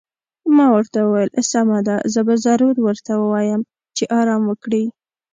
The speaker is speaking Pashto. ما ورته وویل: سمه ده، زه به ضرور ورته ووایم چې ارام وکړي.